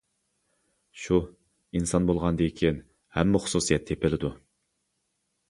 -شۇ، ئىنسان بولغاندىكىن ھەممە خۇسۇسىيەت تېپىلىدۇ.